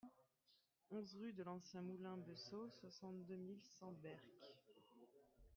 onze rue de l'Ancien Moulin Beaussaut, soixante-deux mille six cents Berck